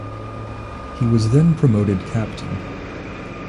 He was then promoted captain.